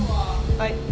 はい。